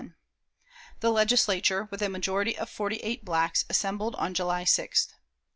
The Legislature, with a majority of forty eight blacks, assembled on July 6th.